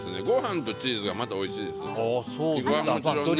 ご飯とチーズがまたおいしいです。